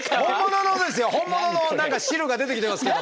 本物の何か汁が出てきてますけど。